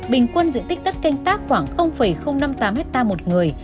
bình quân diện tích đất canh tác khoảng năm mươi tám hectare một người